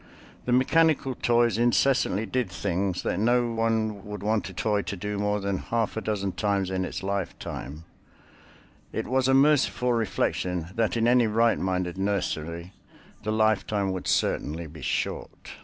The mechanical toys incessantly did things that no one could want a toy to do more than a half a dozen times in its lifetime; it was a merciful reflection that in any right minded nursery the lifetime would certainly be short.